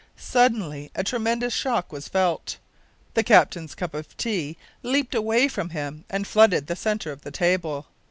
Suddenly a tremendous shock was felt! The captain's cup of tea leaped away from him and flooded the centre of the table.